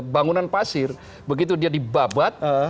bangunan pasir begitu dia dibabat